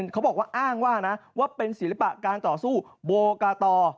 เขาบอกว่าอ้างว่านะว่าเป็นศิลปะการต่อสู้โบกาตอ